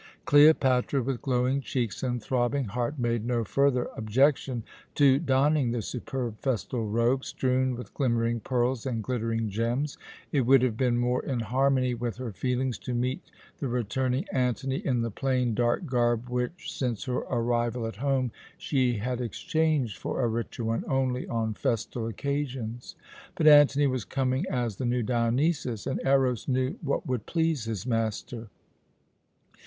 Cleopatra, with glowing cheeks and throbbing heart, made no further objection to donning the superb festal robe, strewn with glimmering pearls and glittering gems. It would have been more in harmony with her feelings to meet the returning Antony in the plain, dark garb which, since her arrival at home, she had exchanged for a richer one only on festal occasions; but Antony was coming as the new Dionysus, and Eros knew what would please his master.